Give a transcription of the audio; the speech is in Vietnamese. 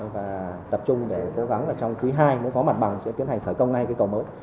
và tập trung để cố gắng trong thứ hai muốn có mặt bằng sẽ tiến hành khởi công ngay cầu mới